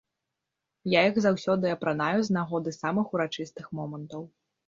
Я іх заўсёды апранаю з нагоды самых урачыстых момантаў.